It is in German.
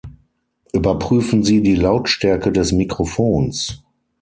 Überprüfen Sie die Lautstärke des Mikrofons!